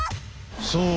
そう。